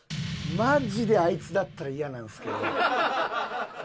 マジであいつだったら嫌なんですけど。